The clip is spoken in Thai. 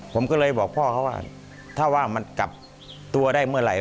ผมก็เลยบอกพ่อเขาว่าถ้าว่ามันกลับตัวได้เมื่อไหร่